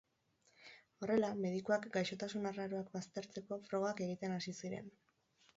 Horrela, medikuak gaixotasun arraroak baztertzeko frogak egiten hasi ziren.